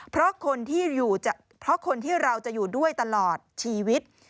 เพราะคนที่เราจะอยู่ด้วยตลอดชีวิต